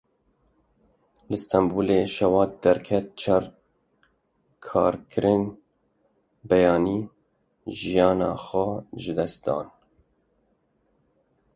Li Stenbolê şewat derket çar karkerên biyanî jiyana xwe ji dest dan.